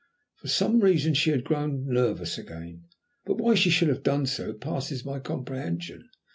For some reason she had suddenly grown nervous again, but why she should have done so passes my comprehension.